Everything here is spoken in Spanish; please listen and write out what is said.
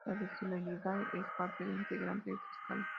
La religiosidad es parte integrante de Tlaxcala.